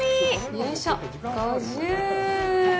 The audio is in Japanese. よいしょ、５０！